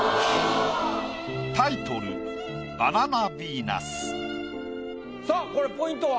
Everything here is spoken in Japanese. タイトルさあこれポイントは？